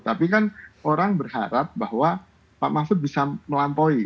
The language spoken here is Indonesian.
tapi kan orang berharap bahwa pak mahfud bisa melampaui